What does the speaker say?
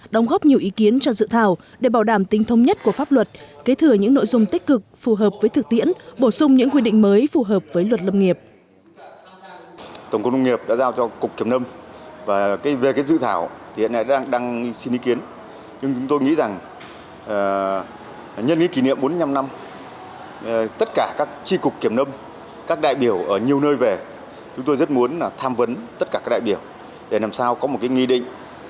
đóng góp nhiều ý kiến cho dự thảo để bảo đảm tính thông nhất của pháp luật kế thừa những nội dung tích cực phù hợp với thực tiễn bổ sung những quy định mới phù hợp với luật lâm nghiệp